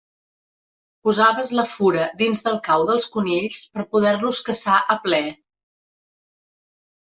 Posaves la fura dins del cau dels conills per poder-los caçar a pler.